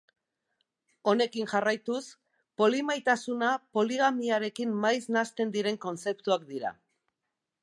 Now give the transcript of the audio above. Honekin jarraituz, polimaitasuna poligamiarekin maiz nahasten diren kontzeptuak dira.